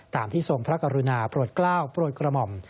ที่ทรงพระกรุณาโปรดกล้าวโปรดกระหม่อม